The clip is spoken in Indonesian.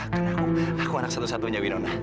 karena aku anak satu satunya winona